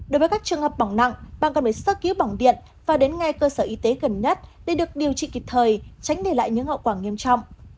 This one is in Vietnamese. đối với các trường hợp bỏng nặng bạn cần phải sắp cứu bỏng điện và đến ngay cơ sở y tế gần nhất để được điều trị kịp thời tránh để lại những hậu quả nghiêm trọng